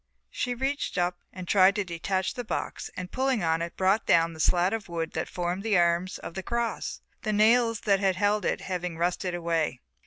She reached up and tried to detach the box and pulling on it brought down the slat of wood that formed the arms of the cross, the nails that had held it having rusted away.